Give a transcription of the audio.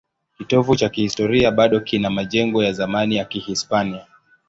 Kitovu cha kihistoria bado kina majengo ya zamani ya Kihispania.